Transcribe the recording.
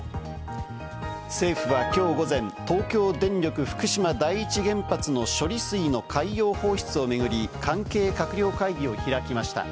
政府はきょう午前、東京電力福島第一原発の処理水の海洋放出を巡り、関係閣僚会議を開きました。